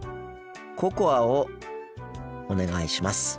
ココアをお願いします。